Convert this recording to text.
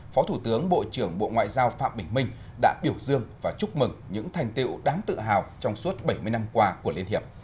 phó thủ tướng bộ trưởng bộ ngoại giao phạm bình minh đã biểu dương và chúc mừng những thành tiệu đáng tự hào trong suốt bảy mươi năm qua của liên hiệp